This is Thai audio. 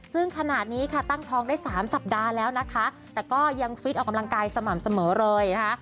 ซึ่งขนาดนี้ค่ะตั้งท้องได้๓สัปดาห์แล้วนะคะแต่ก็ยังฟิตออกกำลังกายสม่ำเสมอเลยนะคะ